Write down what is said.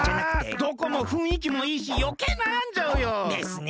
どこもふんいきもいいしよけいなやんじゃうよ。ですね。